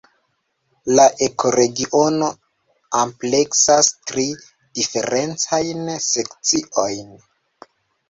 La ekoregiono ampleksas tri diferencajn sekciojn.